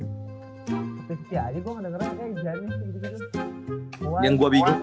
ya tapi seketika aja gua ga dengerin kayaknya yanis gitu gitu